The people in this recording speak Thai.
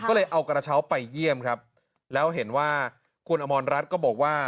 ก็เลยเอากระเช้าไปเยี่ยมครับแล้วเห็นว่าคุณอมรรัฐก็บอกว่า